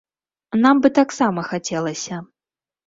Нам бы таксама хацелася.